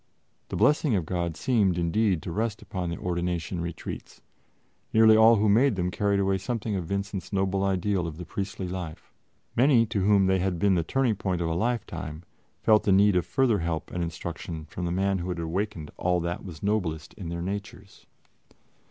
The blessing of God seemed, indeed, to rest upon the ordination retreats; nearly all who made them carried away something of Vincent's noble ideal of the priestly life. Many to whom they had been the turning point of a lifetime, felt the need of further help and instruction from the man who had awakened all that was noblest in their natures.